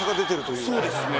そうですね。